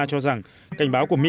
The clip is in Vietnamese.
cho rằng cảnh báo của mỹ